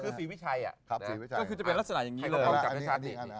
คือศรีวิชัยคือจะเป็นลักษณะอย่างนี้เลย